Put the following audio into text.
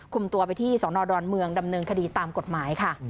คุมตัวไปที่สองรดรเมืองดำเนิงคดีตามกฎหมายค่ะ